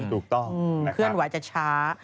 ถูกต้องนะครับนะครับเคลื่อนไหวอาจจะช้า